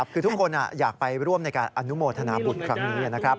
คือทุกคนอยากไปร่วมในการอนุโมทนาบุตรครั้งนี้นะครับ